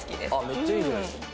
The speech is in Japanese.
めっちゃいいじゃないですか。